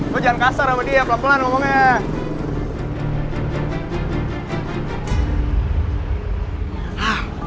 gue jangan kasar sama dia pelan pelan ngomongnya